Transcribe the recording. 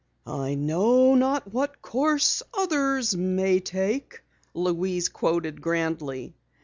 "I know not what course others may take," Louise quoted grandly.